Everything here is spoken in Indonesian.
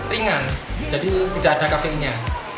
ringan jadi tidak ada kafeinnya